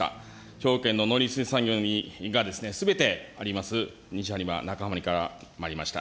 兵庫県の農林水産業がすべてありますにしはりまなかほりからまいりました。